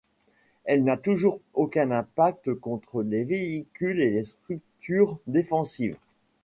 Elle n'a toujours aucun impact contre les véhicules et les structures défensives.